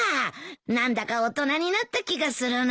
何だか大人になった気がするな。